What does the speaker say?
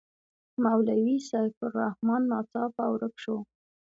مولوي سیف الرحمن ناڅاپه ورک شو.